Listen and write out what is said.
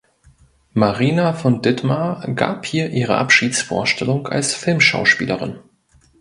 Marina von Ditmar gab hier ihre Abschiedsvorstellung als Filmschauspielerin.